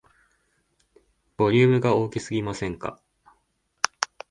ボリュームが大きすぎませんか